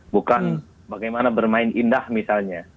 bukan bagaimana bermain indah misalnya